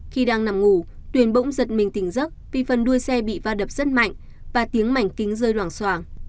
khi đang nằm ngủ tuyền bỗng giật mình tỉnh giấc vì phần đuôi xe bị va đập rất mạnh và tiếng mảnh kính rơi loảng soảng